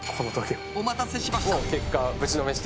お待たせしました。